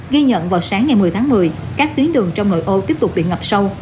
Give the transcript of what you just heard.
ghi nhận vào sáng ngày một mươi tháng một mươi các tuyến đường trong nội ô tiếp tục bị ngập sâu